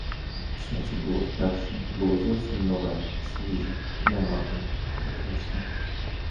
Все це було вперше, було зовсім нове, свіже, негадане, прекрасне.